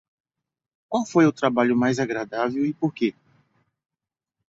Qual foi o trabalho mais agradável e por quê?